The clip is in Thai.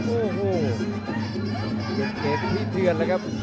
โอ้โหเกตเกตกิตก้อนนะครับ